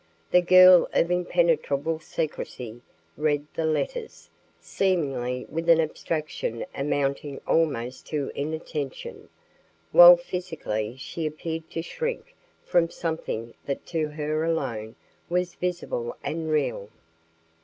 This girl of impenetrable secrecy read the letters, seemingly with an abstraction amounting almost to inattention, while physically she appeared to shrink from something that to her alone was visible and real.